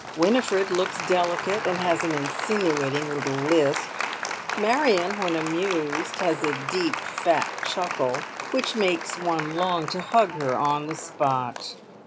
Winifred looks delicate, and has an insinuating little lisp; Marion, when amused, has a deep, fat chuckle, which makes one long to hug her on the spot.